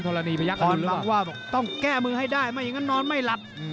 ต้องแก้มือให้ได้ไม่งั้นนอนไม่หลับ